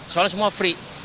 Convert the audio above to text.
soalnya semua free